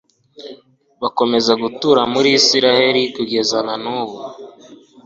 bakomeza gutura muri israheli kugeza na n'ubu